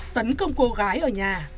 tấn công cô gái ở nhà